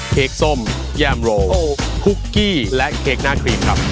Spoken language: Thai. เค้กส้มย่ามโรคุกกี้และเค้กหน้าครีมครับ